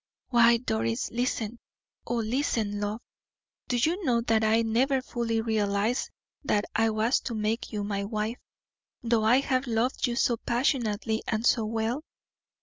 Why, Doris, listen! oh, listen, love! Do you know that I never fully realized that I was to make you my wife, though I have loved you so passionately and so well?